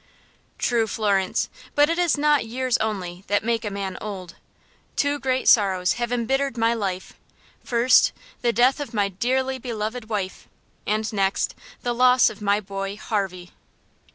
"True, Florence, but it is not years only that make a man old. Two great sorrows have embittered my life. First, the death of my dearly beloved wife, and next, the loss of my boy, Harvey."